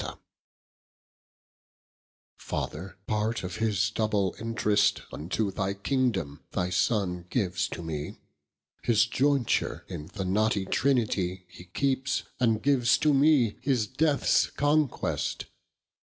XVI Father, part of his double interest Unto thy kingdome, thy Sonne gives to mee, His joynture in the knottie Trinitie Hee keepes, and gives to me his deaths conquest.